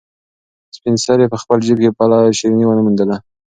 سپین سرې په خپل جېب کې بله شيرني ونه موندله.